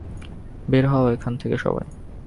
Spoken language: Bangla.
বের হও এখান থেকে সবাই!